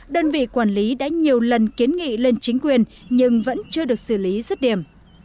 đơn vị quản lý đã nhiều lần kiến nghị lên chính quyền nhưng vẫn chưa được xử lý rất điểm